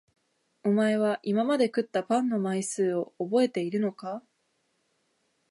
お前は今まで食ったパンの枚数を覚えているのか？